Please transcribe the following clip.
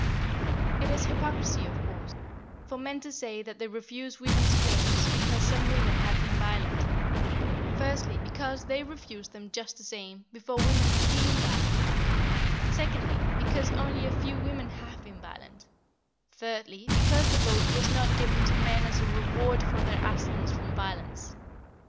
It is hypocrisy, of course, for men to say that they refuse women's claims because some women have been violent, firstly, because they refused them just the same, before women became violent; secondly, because only a few women have been violent; thirdly, because the vote was not given to men as a reward for their abstinence from violence.